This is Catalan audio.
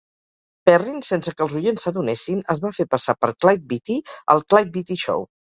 Perrin, sense que els oients s'adonessin, es va fer passar per Clyde Beatty al "Clyde Beatty Show".